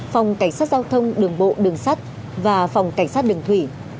phòng cảnh sát giao thông đường bộ đường sắt và phòng cảnh sát đường thủy